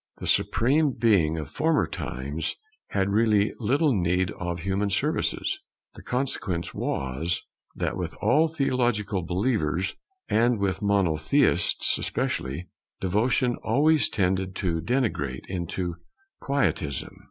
The Supreme Being of former times had really little need of human services. The consequence was, that with all theological believers, and with monotheists especially, devotion always tended to degenerate into quietism.